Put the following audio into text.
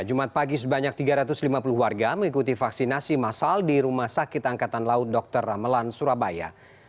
jumat pagi sebanyak tiga ratus lima puluh warga mengikuti vaksinasi masal di rumah sakit angkatan laut dr ramelan surabaya